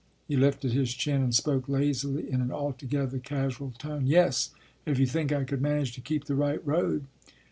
He lifted his chin and spoke lazily in an altogether casual tone. "Yes, if you think I could manage to keep the right road."